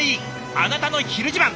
「あなたのひる自慢」。